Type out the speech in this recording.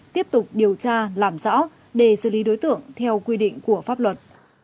tiếp tục điều tra làm rõ để xử lý đối tượng theo quy định của pháp luật